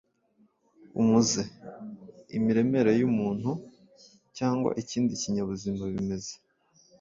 Umuze: imimerere y’umuntu cyangwa ikindi kinyabuzima bimeze